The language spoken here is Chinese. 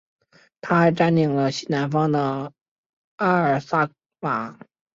他还占领了西南方的阿尔萨瓦。